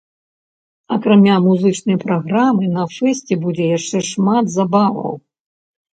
Акрамя музычнай праграмы на фэсце будзе яшчэ шмат забаваў.